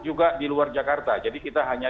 juga di luar jakarta jadi kita hanya